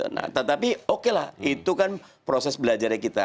nah tetapi oke lah itu kan proses belajarnya kita